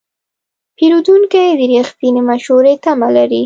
پیرودونکی د رښتینې مشورې تمه لري.